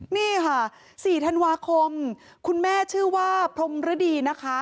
นี่ค่ะ๔ธันวาคมคุณแม่ชื่อว่าพรมฤดีนะคะ